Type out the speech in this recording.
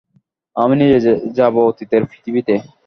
আমি নিজে যাব অতীতের পৃথিবীতে।